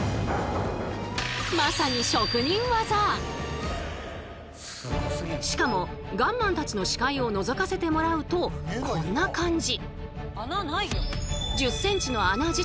まさにしかもガンマンたちの視界をのぞかせてもらうとこんな感じ。